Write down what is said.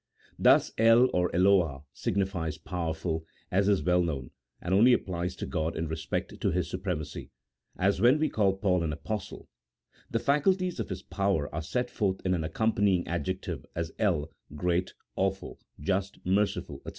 Thus El, or Eloah, signifies powerful, as is well known, and only applies to God in respect to His supremacy, as when we call Paul an apostle ; the faculties of his power are set forth in an accompanying adjective, as El, great, awful, just, merciful, &c.